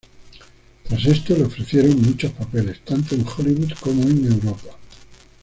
Tras esto, le ofrecieron muchos papeles tanto en Hollywood como en Europa.